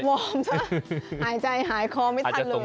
สักวันใช่ป่ะหายใจหายคอไม่ทันเลย